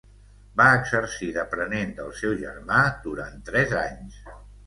Va exercir d'aprenent del seu germà durant tres anys.